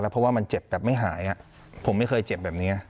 เพราะว่ามันเจ็บแบบไม่หายผมไม่เคยเจ็บแบบนี้